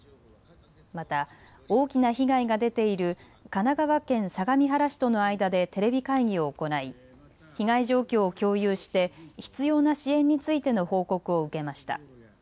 また大きな被害が出ている神奈川県相模原市との間でテレビ会議を行い被害状況を共有して必要な支援についての報告を受けました。